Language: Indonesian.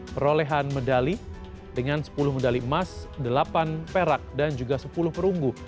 perolehan medali dengan sepuluh medali emas delapan perak dan juga sepuluh perunggu